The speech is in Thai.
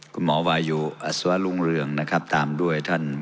คุณหมอวายุอัศวรุ่งเรืองนะครับตามด้วยท่าน